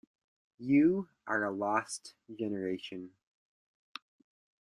You are a lost generation.